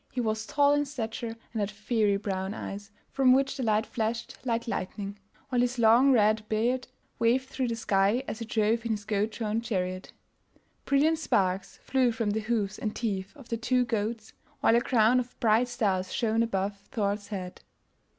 He was tall in stature and had fiery brown eyes, from which the light flashed like lightning, while his long red beard waved through the sky as he drove in his goat drawn chariot. Brilliant sparks flew from the hoofs and teeth of the two goats, while a crown of bright stars shone above Thor's head.